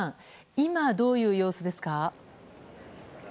今どういう様子ですか？